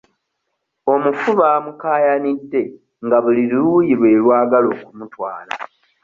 Omufu bamukaayanidde nga buli luuyi lwe lwagala okumutwala.